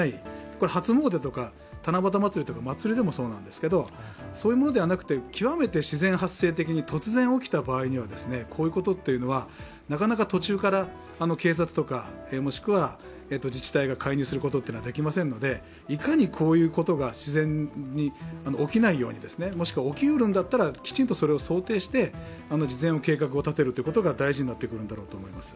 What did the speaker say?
これは初詣とか七夕祭りとか、祭りでもそうなんですけれども、そういうものではなくて、極めて自然発生的に突然起きた場合はこういうことはなかなか途中から警察とか、もしくは自治体が介入することはできませんので、いかにこういうことが自然に起きないように、もしくは起きうるんだったら、きちんとそれを想定して事前の計画を立てることが大事になってくるんだろうと思います。